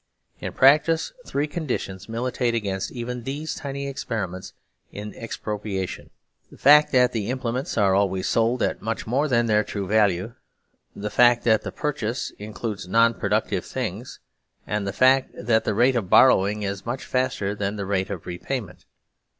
In practice three conditions militate against even these tiny experiments in expropriation: the fact that the implements are always sold at much more than their true value ; the fact that the purchase includes non productive things ; and the fact that the rate of borrowing is much faster than the rate of repayment.